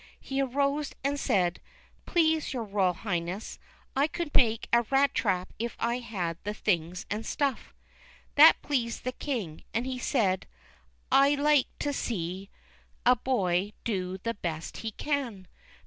He arose and said, Please, Your Royal Highness, I could make a rat trap if I had the things and stuff." That pleased the King, and he said, I like to see 376 THE CHILDREN'S WONDER BOOK. a boy do the best he can.